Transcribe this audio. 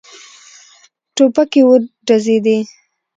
ټوپکې وډزېدې.